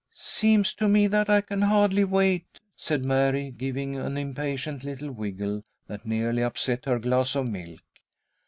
"Seems to me that I can hardly wait," said Mary, giving an impatient little wiggle that nearly upset her glass of milk.